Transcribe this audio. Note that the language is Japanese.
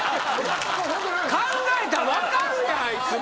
考えたら分かるやんあいつも。